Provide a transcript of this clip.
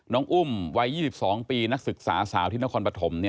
อุ้มวัย๒๒ปีนักศึกษาสาวที่นครปฐม